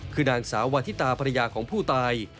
คือนางสาววาทิตาภรรยาของผู้ตาย